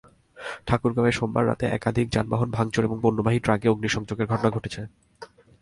ঠাকুরগাঁওয়ে সোমবার রাতে একাধিক যানবাহন ভাঙচুর এবং পণ্যবাহী ট্রাকে অগ্নিসংযোগের ঘটনা ঘটেছে।